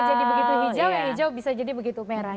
yang merah bisa jadi begitu hijau yang hijau bisa jadi begitu merah